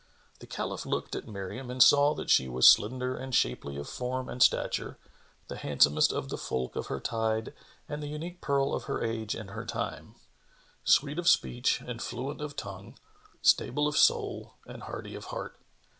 The Caliph looked at Miriam and saw that she was slender and shapely of form and stature, the handsomest of the folk of her tide and the unique pearl of her age and her time; sweet of speech[FN#19] and fluent of tongue, stable of soul and hearty of heart.